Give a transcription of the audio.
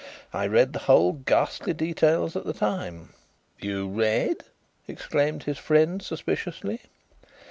"I read the whole ghastly details at the time." "You read?" exclaimed his friend suspiciously.